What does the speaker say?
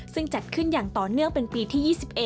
ซึ่งจัดขึ้นอย่างต่อเนื่องเป็นปีที่๒๑